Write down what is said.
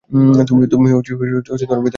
তুমি ভেতরে আসবে?